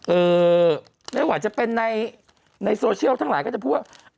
ไม่ว่าจะเป็นในโซเชียลทั้งหลายก็จะพูดว่า